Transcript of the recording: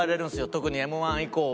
特にＭ−１以降は。